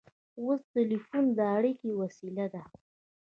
اوس ټیلیفون د اړیکې وسیله ده.